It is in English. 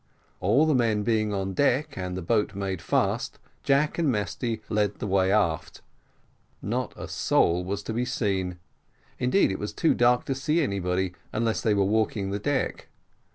All the men being on deck, and the boat made fast, Jack and Mesty led the way aft; not a soul was to be seen: indeed, it was too dark to see anybody unless they were walking the deck.